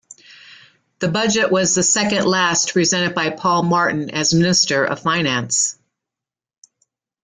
The budget was the second last presented by Paul Martin as Minister of Finance.